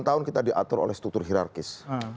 jadi kita diatur oleh struktur hirarkis